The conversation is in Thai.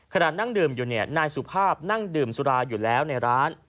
นั่งดื่มอยู่เนี่ยนายสุภาพนั่งดื่มสุราอยู่แล้วในร้าน